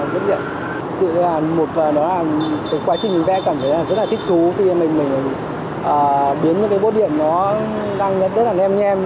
thực sự là một quá trình mình vẽ cảm thấy rất là thích thú khi mình biến những bốt điện nó đang rất là nem nhem